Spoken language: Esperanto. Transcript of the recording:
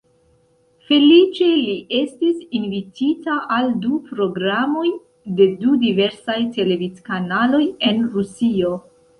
Feliĉe, li estis invitita al du programoj de du diversaj televid-kanaloj en Rusio.